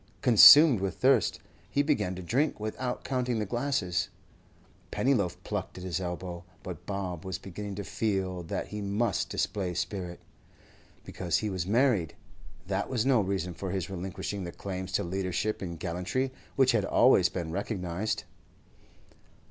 Consumed with thirst, he began to drink without counting the glasses. Pennyloaf plucked at his elbow, but Bob was beginning to feel that he must display spirit. Because he was married, that was no reason for his relinquishing the claims to leadership in gallantry which had always been recognised.